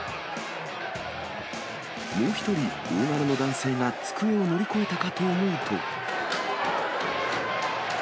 もう１人、大柄の男性が机を乗り越えたかと思うと。